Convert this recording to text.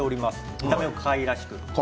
見た目かわいらしく。